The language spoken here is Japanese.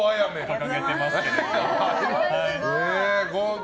掲げてますけども。